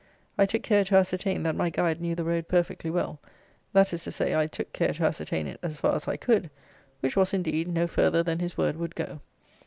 I took care to ascertain, that my guide knew the road perfectly well; that is to say, I took care to ascertain it as far as I could, which was, indeed, no farther than his word would go.